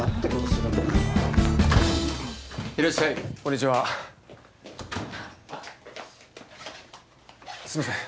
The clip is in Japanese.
すいません。